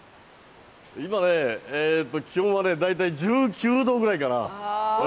今ね、気温はね、大体１９度ぐらいかな。